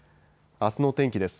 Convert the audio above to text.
あすの天気です。